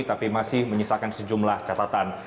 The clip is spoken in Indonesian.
tapi masih menyisakan sejumlah catatan